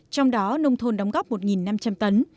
trong đó nông thôn đóng góp một năm trăm linh tấn